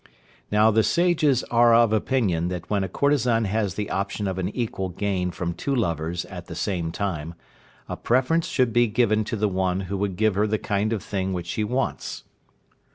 Now, the Sages are of opinion that when a courtesan has the chance of an equal gain from two lovers at the same time, a preference should be given to the one who would give her the kind of thing which she wants.